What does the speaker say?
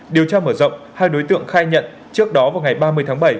điều tra mở rộng hai đối tượng khai nhận trước đó vào ngày ba mươi tháng bảy